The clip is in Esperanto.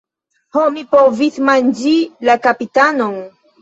Ho, mi povis manĝi la kapitanon.